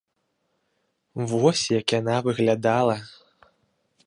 Вось як яна выглядала.